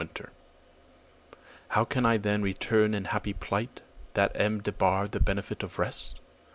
XXVIII How can I then return in happy plight, That am debarre'd the benefit of rest?